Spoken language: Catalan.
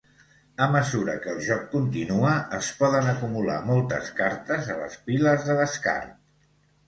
A mesura que el joc continua, es poden acumular moltes cartes a les piles de descart.